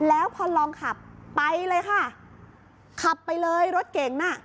แล้วพอลองขับไปเลยค่ะขับไปเลยรถเก่งน่ะ